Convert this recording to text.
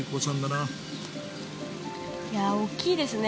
いや大きいですね。